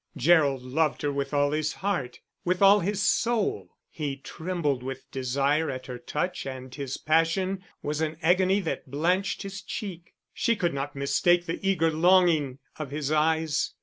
Gerald loved her with all his heart, with all his soul; he trembled with desire at her touch and his passion was an agony that blanched his cheek. She could not mistake the eager longing of his eyes.